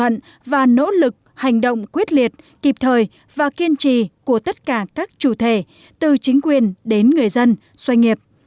nỗ lực hành động quyết liệt kịp thời và kiên trì của tất cả các chủ thể từ chính quyền đến người dân doanh nghiệp